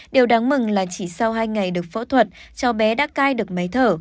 điều đáng mừng là chỉ sau hai ngày được phẫu thuật cháu bé đã cai được máy thở